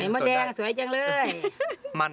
มดแดงสวยจังเลย